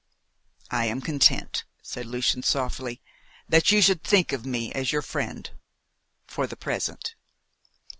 "I am content," said Lucian softly, "that you should think of me as your friend for the present."